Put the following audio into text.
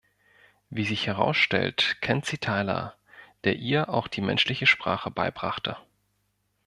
Wie sich herausstellt, kennt sie Tyler, der ihr auch die menschliche Sprache beibrachte.